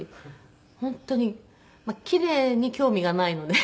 本当にキレイに興味がないので。